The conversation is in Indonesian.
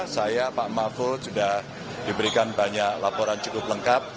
saya pak mahfud sudah diberikan banyak laporan cukup lengkap